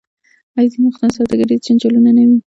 آیا ځینې وختونه سوداګریز جنجالونه نه وي؟